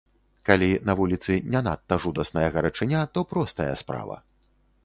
Калі на вуліцы не надта жудасная гарачыня, то простая справа.